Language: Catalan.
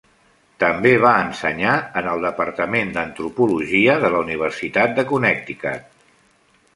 També va ensenyar en el departament d'Antropologia de la Universitat de Connecticut.